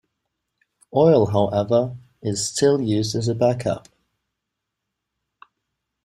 Oil, however, is still used as a back-up.